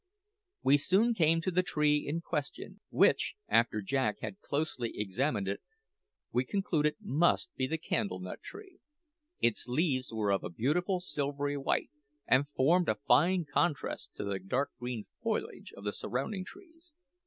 We soon came to the tree in question, which, after Jack had closely examined it, we concluded must be the candle nut tree. Its leaves were of a beautiful silvery white, and formed a fine contrast to the dark green foliage of the surrounding trees.